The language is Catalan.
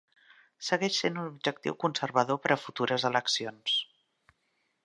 Segueix sent un objectiu conservador per a futures eleccions.